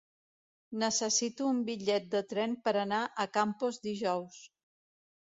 Necessito un bitllet de tren per anar a Campos dijous.